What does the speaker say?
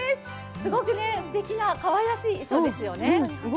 すごくすてきなかわいらしい衣装ですよね。